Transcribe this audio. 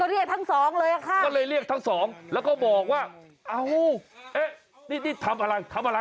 เรียกทั้งสองเลยค่ะก็เลยเรียกทั้งสองแล้วก็บอกว่าเอาเอ๊ะนี่นี่ทำอะไรทำอะไร